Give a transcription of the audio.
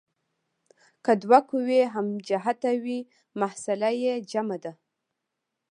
که دوه قوې هم جهته وي محصله یې جمع ده.